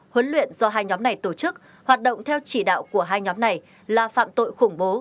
huấn luyện do hai nhóm này tổ chức hoạt động theo chỉ đạo của hai nhóm này là phạm tội khủng bố